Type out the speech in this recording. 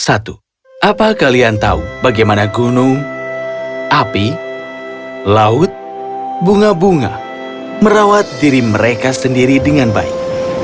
apa kalian tahu bagaimana gunung api laut bunga bunga merawat diri mereka sendiri dengan baik